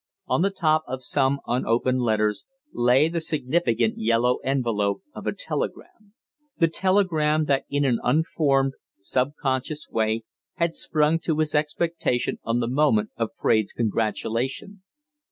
On the top of some unopened letters lay the significant yellow envelope of a telegram the telegram that in an unformed, subconscious way had sprung to his expectation on the moment of Fraide's congratulation.